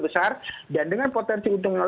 besar dan dengan potensi untung